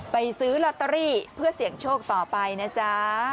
ซื้อลอตเตอรี่เพื่อเสี่ยงโชคต่อไปนะจ๊ะ